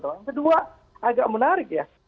yang kedua agak menarik ya